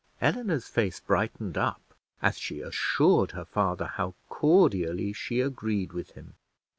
Eleanor's face brightened up, as she assured her father how cordially she agreed with him.